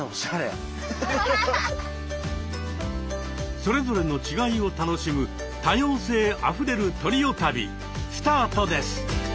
それぞれの違いを楽しむ多様性あふれるトリオ旅スタートです。